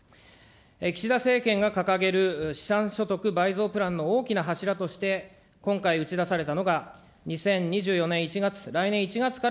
岸田政権が掲げる資産所得倍増プランの大きな柱として今回、打ち出されたのが２０２４年１月、来年１月から。